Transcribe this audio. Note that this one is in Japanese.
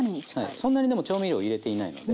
そんなにでも調味料入れていないので。